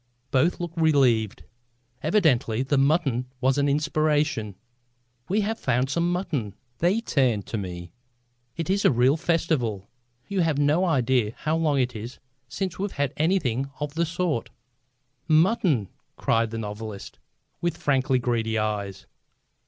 Both looked relieved. Evidently the mutton was an inspiration. "We have found some mutton." They turned to me. "It is a real festival. You have no idea how long it is since we've had anything of the sort." "Mutton!" cried the novelist, with frankly greedy eyes.